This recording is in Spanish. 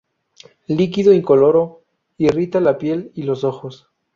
Líquido incoloro, irrita la piel y los ojos.